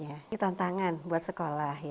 jadi ini adalah tantangan untuk sekolah